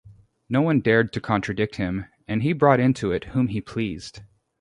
No one dared to contradict him, and he brought into it whom he pleased.